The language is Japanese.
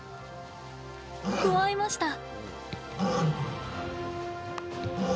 くわえました。